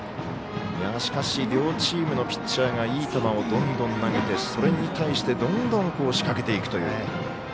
しかし、両チームのピッチャーがいい球をどんどん投げてそれに対してどんどん仕掛けていくという。